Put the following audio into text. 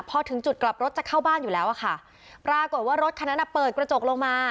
พอถึงจุดกลับรถจะเข้าบ้านอยู่แล้วอะค่ะปรากฏว่ารถคันนั้นอ่ะเปิดกระจกลงมา